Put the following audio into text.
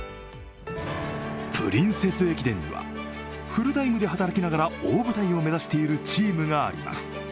プリンセス駅伝にはフルタイムで働きながら大舞台を目指しているチームがあります。